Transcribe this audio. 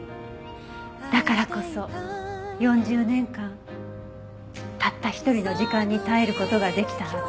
だからこそ４０年間たった一人の時間に耐える事が出来たはず。